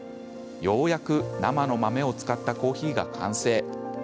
ようやく生の豆を使ったコーヒーが完成。